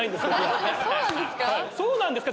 そうなんですか